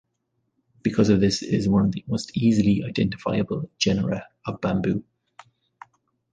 Because of this it is one of the most easily identifiable genera of bamboo.